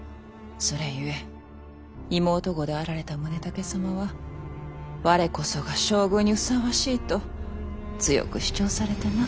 それゆえ妹御であられた宗武様は我こそが将軍にふさわしいと強く主張されてな。